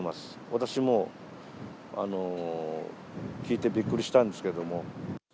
私も聞いてびっくりしたんですけ